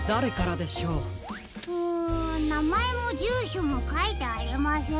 なまえもじゅうしょもかいてありません。